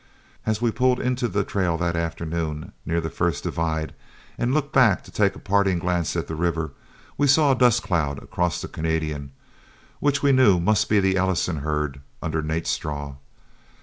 As we pulled into the trail that afternoon near the first divide and looked back to take a parting glance at the river, we saw a dust cloud across the Canadian which we knew must he the Ellison herd under Nat Straw.